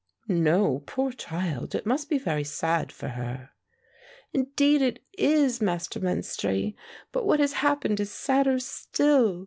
"No, poor child, it must be very sad for her." "Indeed it is, Master Menstrie, but what has happened is sadder still.